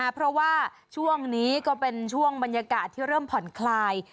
เพราะว่าช่วงนี้ก็เป็นช่วงบรรยากาศที่เริ่มผ่อนคลาย